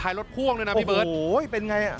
รถพ่วงด้วยนะพี่เบิร์ตโอ้ยเป็นไงอ่ะ